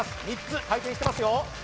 ３つ回転してますよ